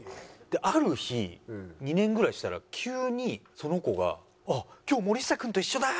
である日２年ぐらいしたら急にその子が今日森下くんと一緒だ！